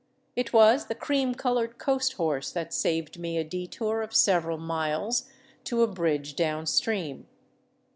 It was the cream colored coast horse that saved me a detour of several miles to a bridge down stream.